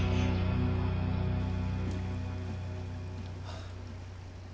あっ。